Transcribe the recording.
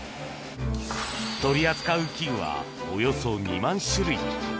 取り扱う器具はおよそ２万種類。